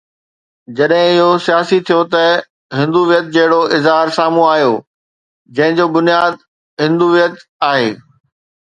جڏهن اهو سياسي ٿيو ته هندويت جهڙو اظهار سامهون آيو، جنهن جو بنياد هندويت آهي.